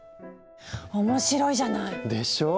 面白いじゃない！でしょう？